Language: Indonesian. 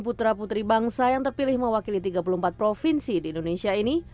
putra putri bangsa yang terpilih mewakili tiga puluh empat provinsi di indonesia ini